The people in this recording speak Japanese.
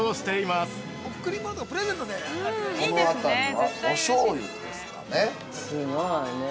◆すごいわね。